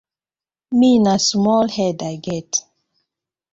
Mi na small head I get.